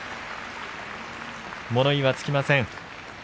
物言いはつきません。